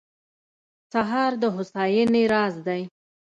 سهار د هوساینې راز دی.